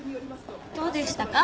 どうでしたか？